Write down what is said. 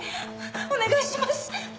お願いします！